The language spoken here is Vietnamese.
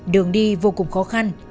đường đi vô cùng khó khăn